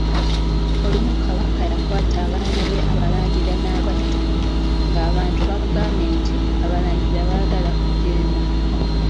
Olumu Kabaka yakwata abaana be Abalangira n'abatta, ng'abantu bamugambye nti abalangira baagala kujeema.